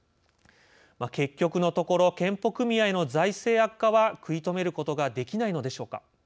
結局のところ健保組合の財政悪化は食い止めることができないのでしょうか。